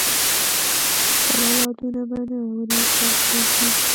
خپل اولادونه به نه ورپریږدي.